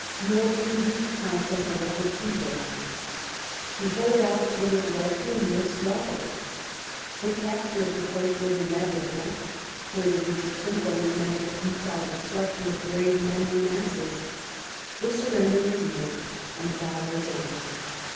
More prudent counsels, however, prevailed — ^to hold out would have led to a mere slaughter. The capture of the place was inevitable; further resistance only meant the futile destruction of brave men in masses. The surrender was made, and the battle was over.